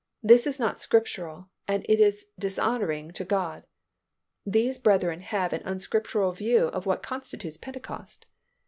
This is not Scriptural and it is dishonouring to God. These brethren have an unscriptural view of what constitutes Pentecost.